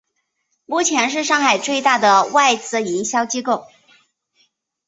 目前是上海最大的外资营销机构。